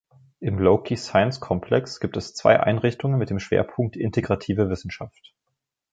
Im Lokey Science Complex gibt es zwei Einrichtungen mit dem Schwerpunkt integrative Wissenschaft.